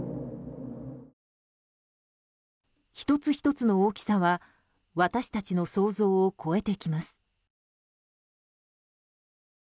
１つ１つの大きさは私たちの想像を超えてきます。